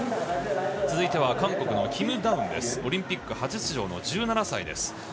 続いて韓国のキム・ダウンオリンピック初出場、１７歳。